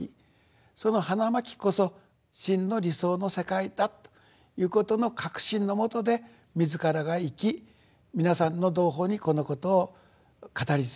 その花巻こそ真の理想の世界だということの確信のもとで自らが生き皆さんの同胞にこのことを語り続けていく。